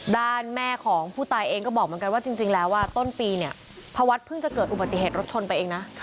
แม่ของผู้ตายเองก็บอกเหมือนกันว่าจริงแล้วต้นปีเนี่ยพระวัดเพิ่งจะเกิดอุบัติเหตุรถชนไปเองนะ